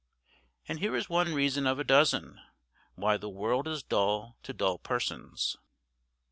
And here is one reason of a dozen, why the world is dull to dull persons.